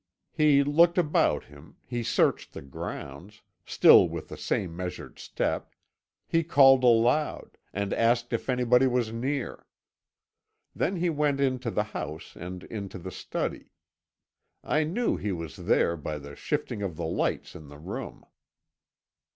He looked about him, he searched the grounds, still with the same measured step, he called aloud, and asked if anybody was near. Then he went into the house and into the study. I knew he was there by the shifting of the lights in the room.